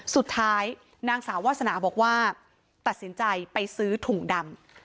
นางสาววาสนาบอกว่าตัดสินใจไปซื้อถุงดำ